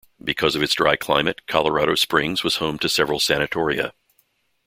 Because of its dry climate, Colorado Springs was home to several sanatoria.